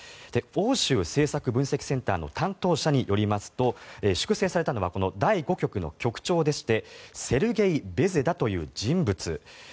欧州政策分析センターの担当者によりますと粛清されたのは第５局の局長でしてセルゲイ・ベセダという人物。